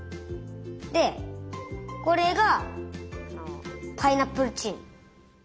でこれがパイナップルチーム。